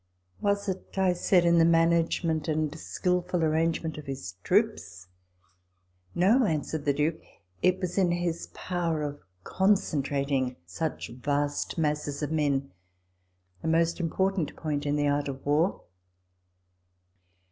" Was it," I asked, " in the management and skilful arrangement of his troops ?"" No," answered the Duke ; "it was in his power of concentrating such vast masses of men, a most important point in the art of war."